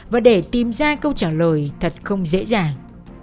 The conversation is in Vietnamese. và để tìm ra câu trả lời thật không dễ dàng